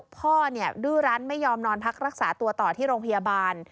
พ่อดื้อรั้นไม่ยอมนอนพักรักษาตัวต่อที่โรงพยาบาล